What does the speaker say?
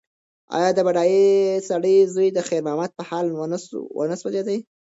ایا د بډایه سړي زړه د خیر محمد په حال ونه سوځېد؟